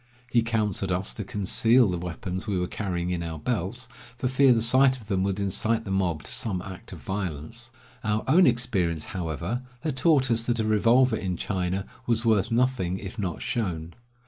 He counseled us to conceal the weapons we were carrying in our belts, for fear the sight of them should incite the mob to some act of violence. Our own experience, however, had taught us that a revolver in China was worth nothing if not shown.